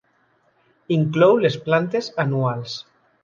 Inclou les plantes anuals.